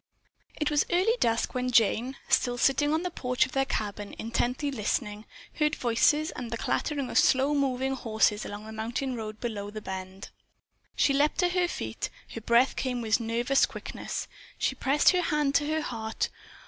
It was early dusk when Jane, still sitting on the porch of their cabin intently listening, heard voices and the clattering of slow moving horses along the mountain road below the bend. She leaped to her feet, her breath came with nervous quickness, she pressed her hand to her heart.